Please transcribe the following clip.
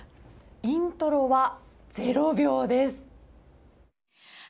イントロは０秒です。